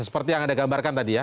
seperti yang anda gambarkan tadi ya